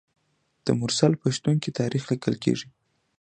د مرسل په شتون کې تاریخ لیکل کیږي.